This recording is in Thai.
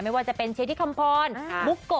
ไม่ว่าจะเป็นเชธิคำพรบุโกะ